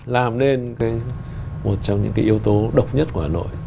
làm nên một trong những cái yếu tố độc nhất của hà nội